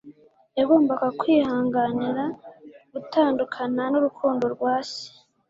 Yagombaga kwihanganira gutandukana n'urukundo rwa Se